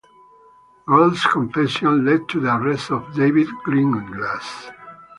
Gold's confession led to the arrest of David Greenglass.